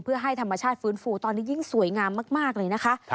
เพื่อให้ธรรมชาติฟื้นฟูตอนนี้ยิ่งสวยงามมากเลยนะคะ